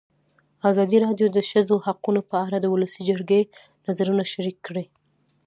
ازادي راډیو د د ښځو حقونه په اړه د ولسي جرګې نظرونه شریک کړي.